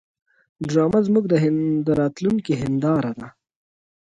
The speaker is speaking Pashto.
ډرامه زموږ د راتلونکي هنداره ده